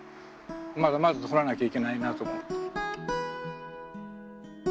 まだまだ撮らなきゃいけないなと思う。